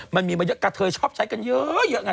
มันมีมาเยอะกระเทยชอบใช้กันเยอะไง